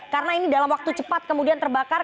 karena ini dalam waktu cepat kemudian terbakar